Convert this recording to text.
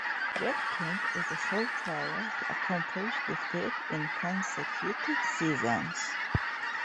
Jeff King is the sole player to accomplish the feat in consecutive seasons.